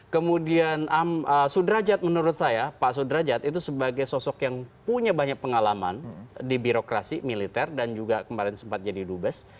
kemudian sudrajat menurut saya pak sudrajat itu sebagai sosok yang punya banyak pengalaman di birokrasi militer dan juga kemarin sempat jadi dubes